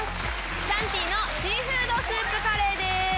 シャンティのシーフードスープカレーです。